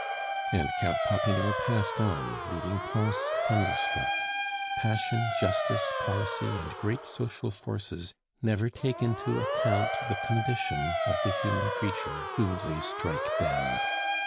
And Count Popinot passed on, leaving Pons thunderstruck. Passion, justice, policy, and great social forces never take into account the condition of the human creature whom they strike down.